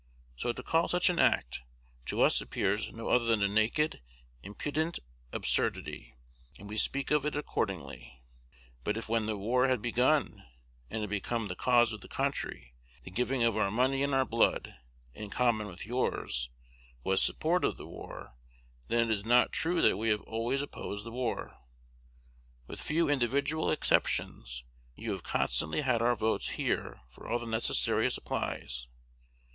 So to call such an act, to us appears no other than a naked, impudent absurdity, and we speak of it accordingly. But if when the war had begun, and had become the cause of the country, the giving of our money and our blood, in common with yours, was support of the war, then it is not true that we have always opposed the war. With few individual exceptions, you have constantly had our votes here for all the necessary supplies.